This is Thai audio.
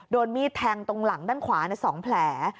โดนมีดแทงตรงหลังด้านขวา๒แผล